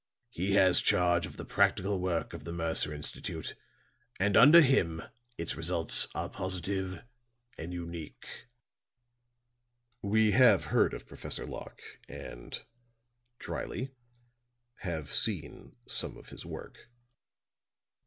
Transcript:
He has charge of the practical work of the Mercer Institute, and under him its results are positive and unique." "We have heard of Professor Locke," and, drily, "have seen some of his work."